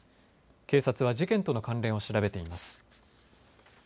警察は事件との関連を調べています。